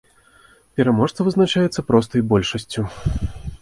Пераможца вызначаецца простай большасцю.